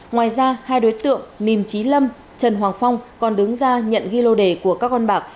ngoài ra hai đối tượng nìm trí lâm trần hoàng phong còn đứng ra nhận ghi lô đề của các con bạc